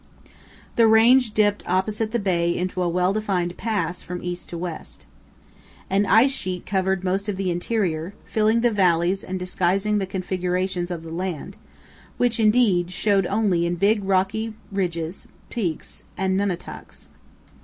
The range dipped opposite the bay into a well defined pass from east to west. An ice sheet covered most of the interior, filling the valleys and disguising the configurations of the land, which, indeed, showed only in big rocky ridges, peaks, and nunataks.